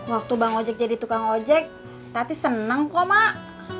waktu bang ojek jadi tukang ojek tati seneng kok mak